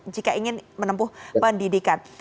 jika ingin menempuh pendidikan